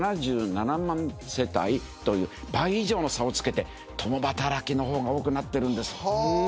世帯という倍以上の差をつけて共働きの方が多くなってるんです。